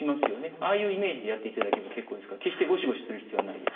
ああいうイメージでやっていただければ結構ですから決してごしごしする必要はないです。